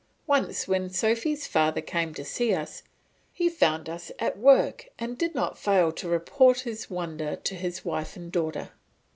Once when Sophy's father came to see us, he found us at work, and did not fail to report his wonder to his wife and daughter.